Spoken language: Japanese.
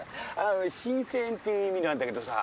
「新鮮」っていう意味なんだけどさ